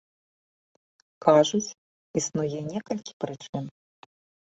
Кажуць, існуе некалькі прычын.